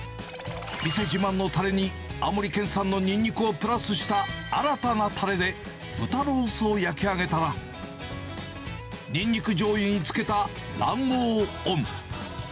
店自慢のたれに、青森県産のニンニクをプラスした新たなたれで、豚ロースを焼き上げたら、ニンニクじょうゆに漬けた卵黄をオン。